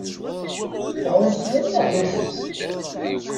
Teεεuẓgeḍ neɣ d acu?